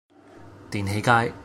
電氣街